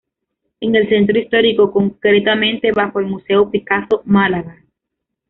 En el centro histórico, concretamente bajo el Museo Picasso Málaga.